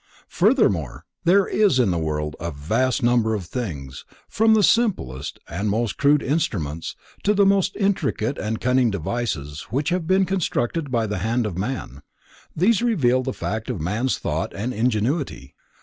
Furthermore, there is in the world a vast number of things, from the simplest and most crude instruments, to the most intricate and cunning devices which have been constructed by the hand of man. These reveal the fact of man's thought and ingenuity.